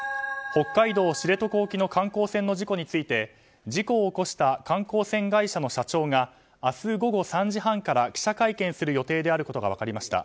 北海道知床沖の観光船の事故について事故を起こした観光船会社の社長が明日午後３時半から記者会見する予定であることが分かりました。